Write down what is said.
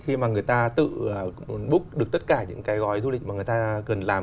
khi mà người ta tự búc được tất cả những cái gói du lịch mà người ta cần làm